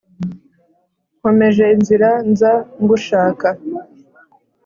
Nkomeje inzira nza ngushaka